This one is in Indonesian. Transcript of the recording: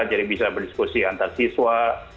jadi bisa berdiskusi antar siswa